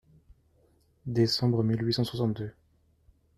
Décembre mille huit cent soixante-deux.